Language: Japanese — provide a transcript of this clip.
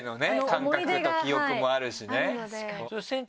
感覚と記憶もあるしね。